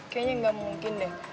kayaknya gak mungkin deh